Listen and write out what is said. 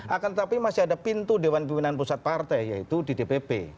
akan tetapi masih ada pintu dewan pimpinan pusat partai yaitu di dpp